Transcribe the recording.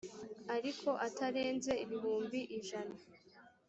ariko atarenze ibihumbi ijana